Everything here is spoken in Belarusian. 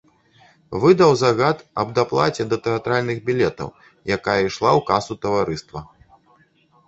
Выдаў загад аб даплаце да тэатральных білетаў, якая ішла ў касу таварыства.